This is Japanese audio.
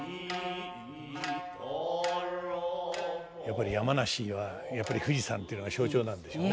やっぱり山梨には富士山というのが象徴なんでしょうね。